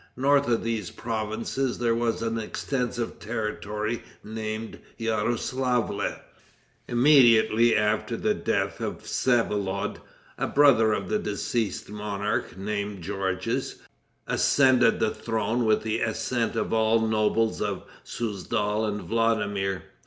North of these provinces there was an extensive territory named Yaroslavle. Immediately after the death of Vsevolod, a brother of the deceased monarch, named Georges, ascended the throne with the assent of all the nobles of Souzdal and Vladimir.